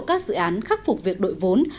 các dự án khắc phục việc đội vốn